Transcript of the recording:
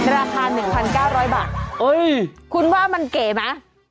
ราคา๑๙๐๐บาทคุณว่ามันเก๋ไหม